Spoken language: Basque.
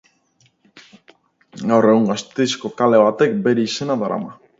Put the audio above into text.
Gaur egun Gasteizko kale batek bere izena darama.